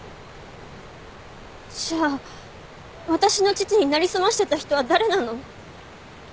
じゃあ私の父になりすましてた人は誰なの？